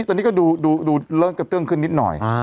ตอนนี้ก็ดูเริ่มกระเตื้องขึ้นนิดหน่อย